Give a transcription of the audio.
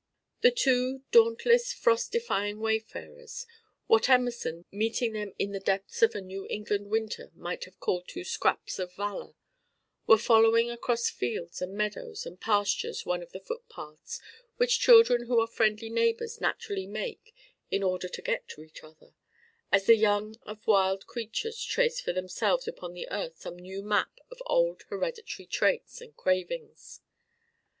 The two dauntless, frost defying wayfarers what Emerson, meeting them in the depths of a New England winter, might have called two scraps of valor were following across fields and meadows and pastures one of the footpaths which children who are friendly neighbors naturally make in order to get to each other, as the young of wild creatures trace for themselves upon the earth some new map of old hereditary traits and cravings.